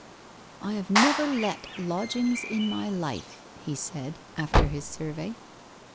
'I have never let lodgings in my life,' he said, after his survey.